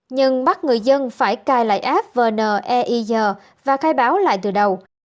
nhưng bắt người dân phải cài lại app vn e i g và khai báo lại từ đầu